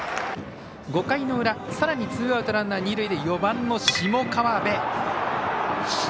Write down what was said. ５回の裏、さらにツーアウト、ランナー、二塁で４番の下川邊。